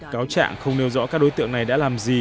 cáo trạng không nêu rõ các đối tượng này đã làm gì